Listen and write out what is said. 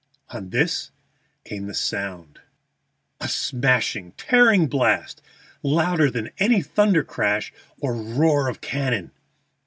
On this came the sound a smashing and tearing blast louder than any thunder crash or roar of cannon.